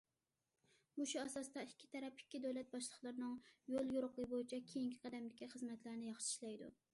مۇشۇ ئاساستا، ئىككى تەرەپ ئىككى دۆلەت باشلىقلىرىنىڭ يوليورۇقى بويىچە كېيىنكى قەدەمدىكى خىزمەتلەرنى ياخشى ئىشلەيدۇ.